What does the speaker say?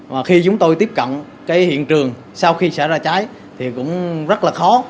và khi chúng tôi tiếp cận cái hiện trường sau khi xảy ra cháy thì cũng rất là khó